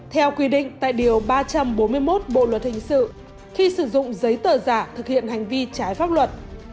theo quy định tại điều ba trăm bốn mươi một bộ luật hình sự khi sử dụng giấy tờ giả thực hiện hành vi trái pháp luật